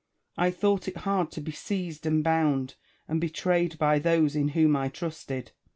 I thought it hard to be seized and bound and betrayed by those in whom I trusted.